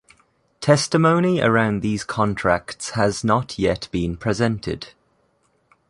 Testimony around these contracts has not yet been presented.